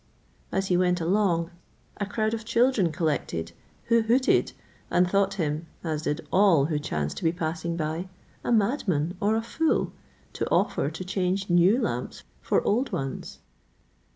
As he went along, a crowd of children collected, who hooted, and thought him, as did all who chanced to be passing by, a madman or a fool, to offer to change new lamps for old ones.